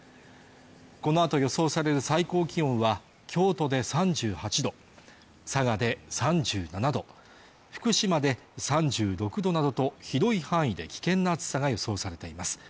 このあと予想される最高気温は京都で３８度佐賀で３７度福島で３６度などと広い範囲で危険な暑さが予想されています